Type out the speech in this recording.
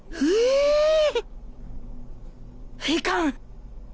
いかん！